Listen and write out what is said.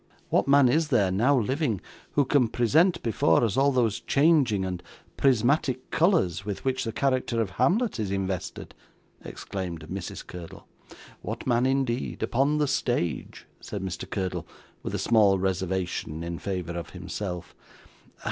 'What man is there, now living, who can present before us all those changing and prismatic colours with which the character of Hamlet is invested?' exclaimed Mrs. Curdle. 'What man indeed upon the stage,' said Mr. Curdle, with a small reservation in favour of himself.